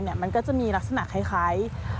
เมื่อก่อนมันมันก็จะมีลักษณะคล้าย